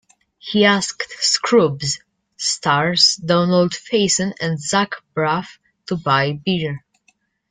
He asked "Scrubs"' stars Donald Faison and Zach Braff to buy beer.